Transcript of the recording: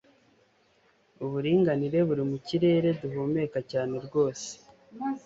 Uburinganire buri mu kirere duhumeka cyane rwose